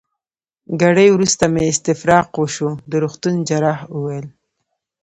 ګړی وروسته مې استفراق وشو، د روغتون جراح وویل.